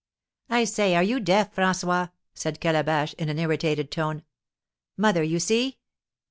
"I say, are you deaf, François?" said Calabash, in an irritated tone. "Mother, you see!"